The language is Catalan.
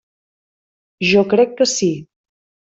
Jo crec que sí.